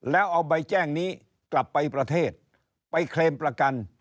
แล้วเอาใบแจ้งนี้กลับไปประเทศไปเคลมประกัน